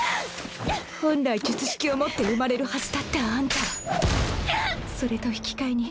本来術式を持って生まれるはずだったあんたはそれと引き換えに